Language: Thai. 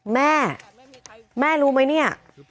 แม่แม่รู้ไหมเนี่ย